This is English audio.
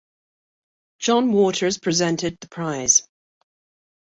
John Waters presented the prize.